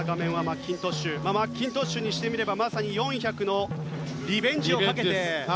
マッキントッシュにしてみればまさに４００のリベンジをかけて。